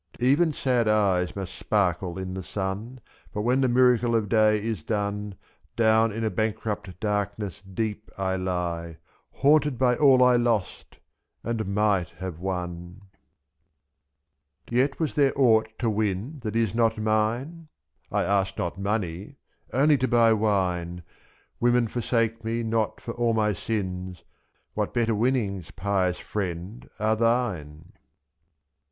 76 Even sad eyes must sparkle in the sun, But when the miracle of day is done, /s J . Down in a bankrupt darkness deep I lie, Haunted by all I lost — and might have won ! Yet was there aught to win that is not mine? I ask not money — only to buy wine; I S6*. Women forsake me not for all my sins — What better winnings, pious friend, are thine